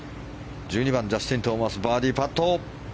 １２番、ジャスティン・トーマスバーディーパット。